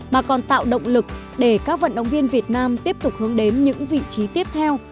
mà còn tạo động lực để các vận động viên việt nam tiếp tục hướng đến những vị trí tiếp theo